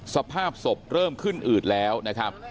สภาพศพเริ่มขึ้นอืดแล้วนะครับ